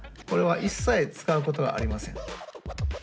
これは一切使うことはありません。